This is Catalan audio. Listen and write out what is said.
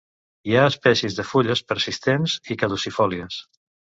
Hi ha espècies de fulles persistents i caducifòlies.